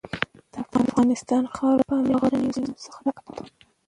د افغانستان خاوره د پامیر له غرنیو سیمو څخه ډکه ده.